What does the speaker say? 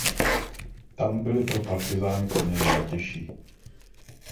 Tam byly pro partyzány poměry nejtěžší.